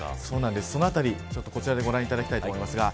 そのあたり、こちらでご覧いただきたいと思います。